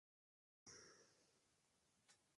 Cada uno de estos fue comandado por un hiparco.